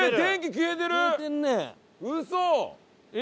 ウソ！？